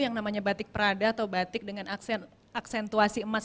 yang namanya batik prada atau batik dengan aksentuasi emas